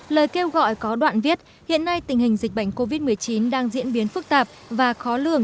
lời kêu gọi có đoạn viết hiện nay tình hình dịch bệnh covid một mươi chín đang diễn biến phức tạp và khó lường